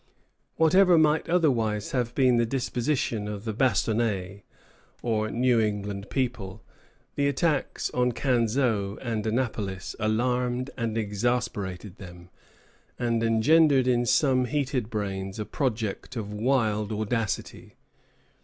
Whatever might otherwise have been the disposition of the "Bastonnais," or New England people, the attacks on Canseau and Annapolis alarmed and exasperated them, and engendered in some heated brains a project of wild audacity.